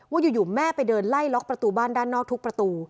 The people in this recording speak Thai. อยู่แม่ไปเดินไล่ล็อกประตูบ้านด้านนอกทุกประตู